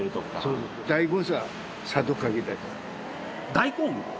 大根！？